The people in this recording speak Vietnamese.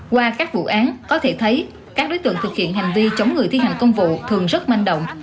qua các vụ án có thể thấy các đối tượng thực hiện hành vi chống người thi hành công vụ thường rất manh động